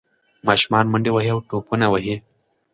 ماشومان منډې وهي او ټوپونه وهي.